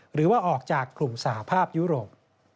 หรือว่าออกจากกลุ่มสหภาพยุโรป